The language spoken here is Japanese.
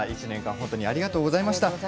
１年間本当にありがとうございました。